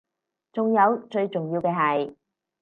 仲有最重要嘅係